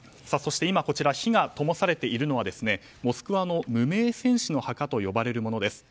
今、火がともされているのはモスクワの無名戦士の墓と呼ばれるものです。